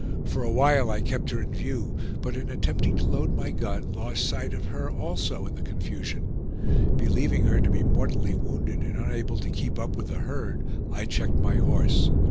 For a while I kept her in view, but in attempting to load my gun, lost sight of her also in the confusion. Believing her to be mortally wounded and unable to keep up with the herd, I checked my horse.